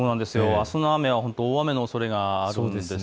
あすの雨は大雨のおそれがあります。